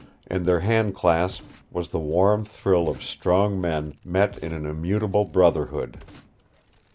In their handclasp was the warm thrill of strong men met in an immutable brotherhood.